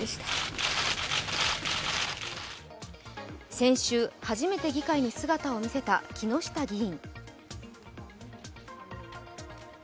先週、初めて議会に姿を見せた木下議員。